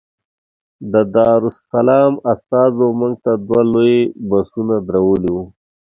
د دارالسلام استازو موږ ته دوه لوی بسونه درولي وو.